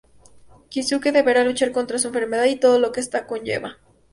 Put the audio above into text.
Keisuke deberá luchar contra su enfermedad y todo lo que esto conlleva.